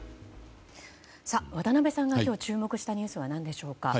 渡辺さんが今日、注目したニュースは何でしょうか。